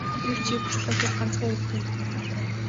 Хэрэв чи бослоо гэхэд ганцхан үр дүнд хүрнэ.